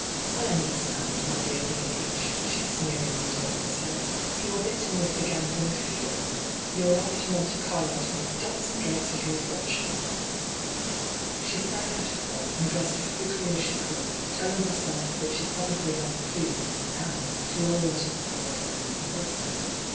' I understand, my dear " B. H.," ' she sneeiingly told herself. ' You are bitten with the gambling fever. You are off to Monte Carlo to make ducks and drakes of your fortune 1' She sprang out of bed, and dressed as quickly as she oould, telUng herself that she probably had the clue, now, to all that had puzzled her in her husband.